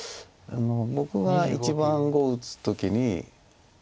僕が一番碁を打つ時に。